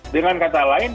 dengan kata lain